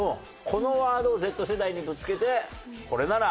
このワードをＺ世代にぶつけてこれなら